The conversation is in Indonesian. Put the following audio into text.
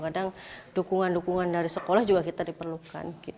kadang dukungan dukungan dari sekolah juga kita diperlukan